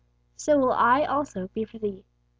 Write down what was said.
_'So will I also be for Thee.